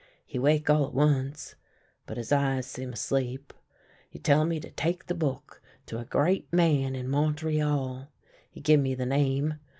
He wake all at once ; but his eyes seem asleep. He tell me to take the book to a great man in Montreal — he give me the name.